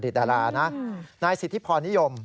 ดารานะนายสิทธิพรนิยม